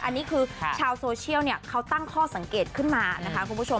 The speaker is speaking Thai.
อันนี้คือชาวโซเชียลเขาตั้งข้อสังเกตขึ้นมานะคะคุณผู้ชม